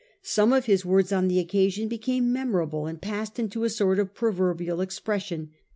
Some of his words on the occasion became memorable, and passed into a sort of proverbial expression.